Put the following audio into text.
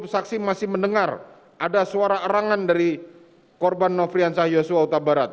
saksi masih mendengar ada suara arangan dari korban nofriansah yosua utabarat